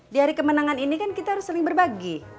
di hari kemenangan ini kan kita harus sering berbagi